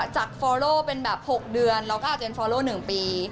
ฟอโลเป็นแบบ๖เดือนเราก็อาจจะเป็นฟอโล๑ปี